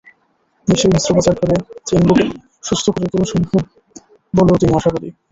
দেশেই অস্ত্রোপচার করে চিংড়োকে সুস্থ করে তোলা সম্ভব বলেও তিনি আশাবাদী।